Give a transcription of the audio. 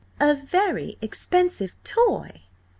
"A very expensive toy!"